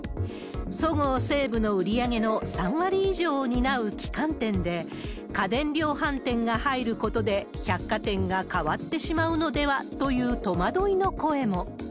そごう・西武の売り上げの３割以上を担う旗艦店で、家電量販店が入ることで、百貨店が変わってしまうのではという戸惑いの声も。